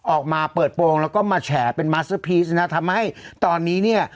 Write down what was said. ออกมาเปิดโปร่งแล้วก็มาแชอ์เป็นนะทำให้ตอนนี้เนี่ย